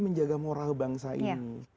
menjaga moral bangsa ini